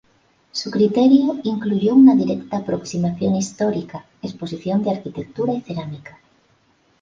Su criterio incluyó una directa aproximación histórica, exposición de arquitectura y cerámica.